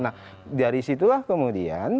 nah dari situlah kemudian